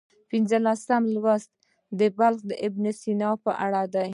پنځلسم لوست د بلخي ابن سینا په اړه دی.